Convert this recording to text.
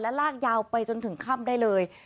ลากยาวไปจนถึงค่ำได้เลย